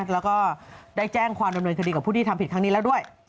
แล้วก็ได้แจ้งความดำเนินคดีกับผู้ที่ทำผิดครั้งนี้แล้วด้วย